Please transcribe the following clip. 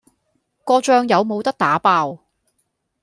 個醬有冇得打包？